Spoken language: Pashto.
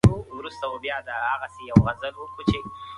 هغه چې له اسلام سره په ټکر کې دي.